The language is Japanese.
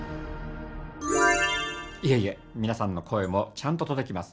いえいえ皆さんの声もちゃんと届きます。